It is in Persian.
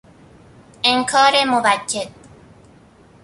انکار موکد